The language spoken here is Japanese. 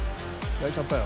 焼いちゃったよ。